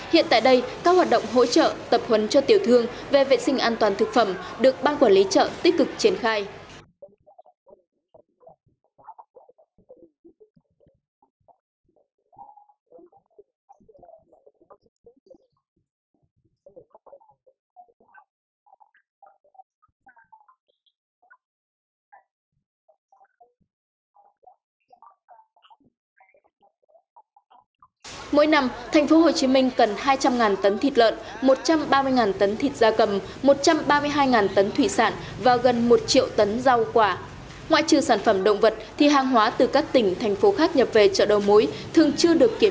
hiện tại đây các hoạt động hỗ trợ tập huấn cho tiểu thương về vệ sinh an toàn thực phẩm được ban quản lý chợ tích cực triển khai